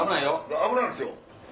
危ないですよ。